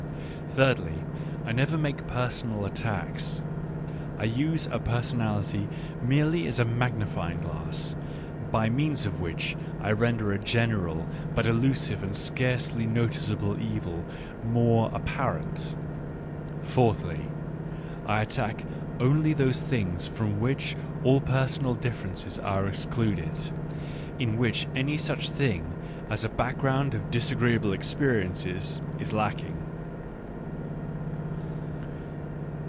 ... Thirdly, I never make personal attacks — I use a personality merely as a magnifying glass, by means of which I render a general, but elusive and scarcely noticeable evil, more apparent. ... Fourthly, I attack only those things from which all personal differences are excluded, in which any such thing as a background of disagreeable experiences is lacking."